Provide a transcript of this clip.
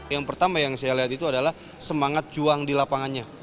yang pertama yang saya lihat itu adalah semangat juang di lapangannya